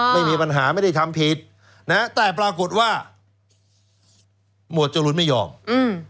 ไม่มีปัญหาไม่ได้ทำผิดนะฮะแต่ปรากฏว่าหมวดจรูนไม่ยอมอืม